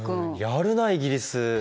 やるなイギリス！